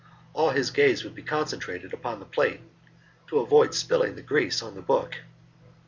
All his gaze would be concentrated upon the plate, to avoid spilling the grease on the book.